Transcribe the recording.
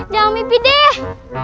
jangan mimpi deh